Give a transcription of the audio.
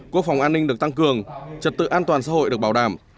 quốc phòng an ninh được tăng cường trật tự an toàn xã hội được bảo đảm